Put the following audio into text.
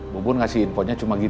bu bun ngasih infonya cuma gitu